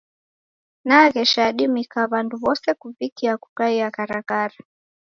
Naghesha yadimika w'andu w'ose kuvikia kukaia karakara.